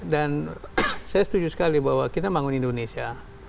saya setuju sekali bahwa kita bangun indonesia